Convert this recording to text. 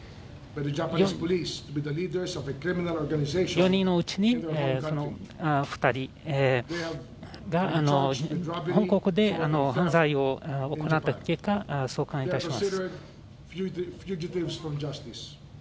４人のうち２人が本国で犯罪を行った結果送還いたします。